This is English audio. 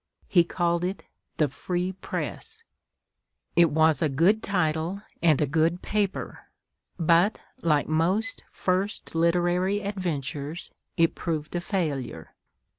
He called it the "Free Press." It was a good title, and a good paper; but, like most first literary adventures, it proved a failure.